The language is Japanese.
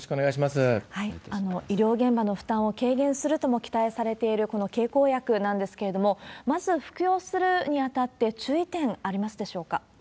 医療現場の負担を軽減するとも期待されているこの経口薬なんですけれども、まず服用するにあたって、注意点、ありますでしょ